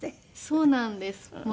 そうなんです。